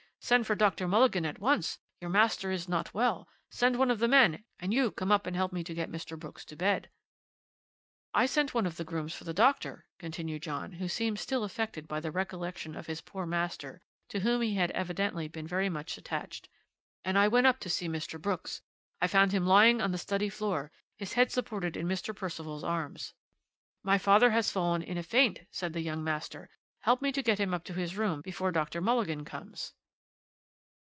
Send for Dr. Mulligan at once. Your master is not well! Send one of the men, and you come up and help me to get Mr. Brooks to bed." "'I sent one of the grooms for the doctor,' continued John, who seemed still affected at the recollection of his poor master, to whom he had evidently been very much attached, 'and I went up to see Mr. Brooks. I found him lying on the study floor, his head supported in Mr. Percival's arms. "My father has fallen in a faint," said the young master; "help me to get him up to his room before Dr. Mulligan comes."